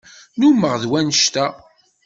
Nnumeɣ d wannect-a.